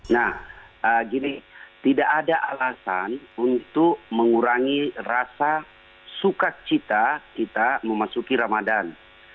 nah gini tidak ada alasan untuk mengurangi rasa sukacita kita memasuki ramadan